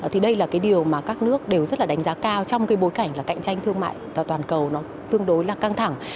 thì đây là cái điều mà các nước đều rất là đánh giá cao trong cái bối cảnh là cạnh tranh thương mại toàn cầu nó tương đối là căng thẳng